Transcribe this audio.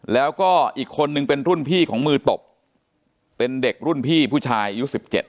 แล้วก็อีกคนนึงเป็นรุ่นพี่ของมือตบเป็นเด็กรุ่นพี่ผู้ชายอายุ๑๗